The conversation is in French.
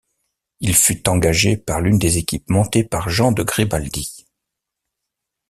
Il fut engagé par l'une des équipes montées par Jean de Gribaldy.